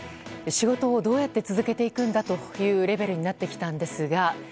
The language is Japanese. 仕事をどうやって続けていくんだというレベルになってきたんですが。